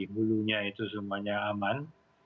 bulunya itu semuanya aman